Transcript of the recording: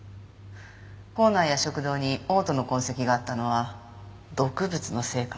口内や食道に嘔吐の痕跡があったのは毒物のせいかも。